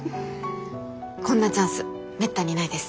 こんなチャンスめったにないです。